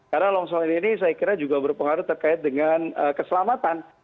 karena longshore ini saya kira juga berpengaruh terkait dengan keselamatan